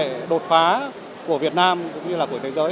công nghệ đột phá của việt nam cũng như là của thế giới